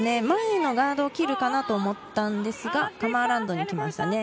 前のガードを切るかなと思ったんですが、カムアラウンドに行きました。